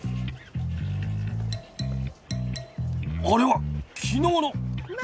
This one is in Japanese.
あれは昨日の！